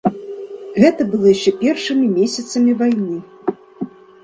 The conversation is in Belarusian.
Гэта было яшчэ першымі месяцамі вайны.